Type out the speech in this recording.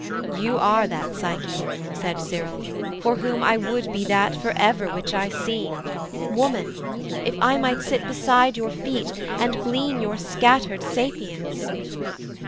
'You are that Psyche,' said Cyril, 'for whom I would be that for ever which I seem, Woman, if I might sit beside your feet, And glean your scattered sapience.'